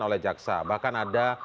oleh jaksa bahkan ada